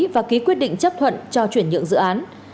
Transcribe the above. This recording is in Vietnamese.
và ký quyết định chấp thuận cho chuyển nhượng dự án